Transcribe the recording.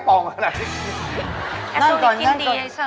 ขอบคุณครับ